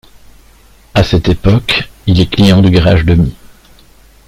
À cette époque, il est client du garage Demy.